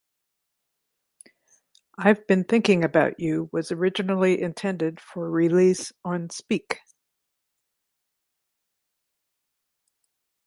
"I've Been Thinking About You" was originally intended for release on "Speak".